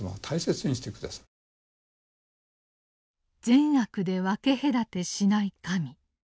善悪で分け隔てしない神。